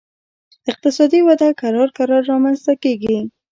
اقتصادي وده کرار کرار رامنځته کیږي